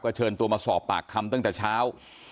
เชิญตัวมาสอบปากคำตั้งแต่เช้า